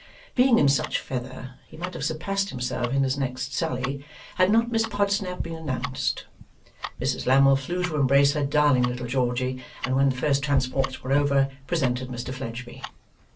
Being in such feather, he might have surpassed himself in his next sally, had not Miss Podsnap been announced. Mrs Lammle flew to embrace her darling little Georgy, and when the first transports were over, presented Mr Fledgeby.